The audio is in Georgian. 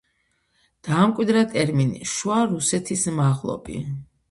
დაამკვიდრა ტერმინი „შუა რუსეთის მაღლობი“.